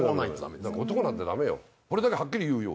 男なんてダメよ。